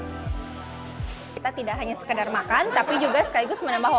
kita tidak hanya sekedar makan tapi juga sekaligus menambahkan